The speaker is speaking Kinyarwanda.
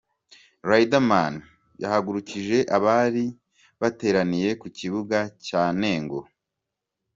Riderman yahagurukije abari bateraniye ku kibuga cya Nengo.